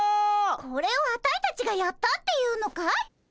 これをアタイたちがやったっていうのかい？